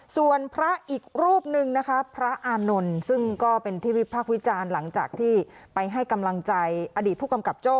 ส่วนพระอีกรูปนึงนะคะพระอานนท์ซึ่งก็เป็นที่วิพากษ์วิจารณ์หลังจากที่ไปให้กำลังใจอดีตผู้กำกับโจ้